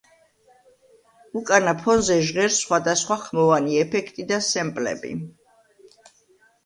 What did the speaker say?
უკანა ფონზე ჟღერს სხვადასხვა ხმოვანი ეფექტი და სემპლები.